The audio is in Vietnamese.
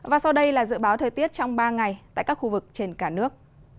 và sau đây là dự báo thời tiết trong ba ngày tại các khu vực trên cả nước